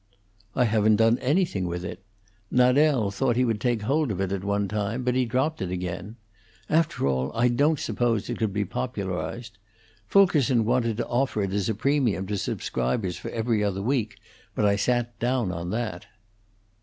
"I haven't done anything with it. Nadel thought he would take hold of it at one time, but he dropped it again. After all, I don't suppose it could be popularized. Fulkerson wanted to offer it as a premium to subscribers for 'Every Other Week,' but I sat down on that."